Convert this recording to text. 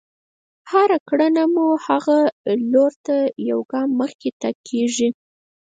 هره کړنه مو هغه لور ته يو ګام مخکې تګ کېږي.